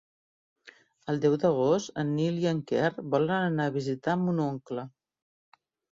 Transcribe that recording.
El deu d'agost en Nil i en Quer volen anar a visitar mon oncle.